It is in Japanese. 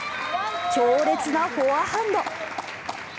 強烈なフォアハンド。